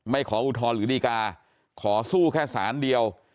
ขออุทธรณ์หรือดีกาขอสู้แค่สารเดียว